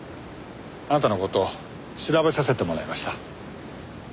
あなたの事を調べさせてもらいました。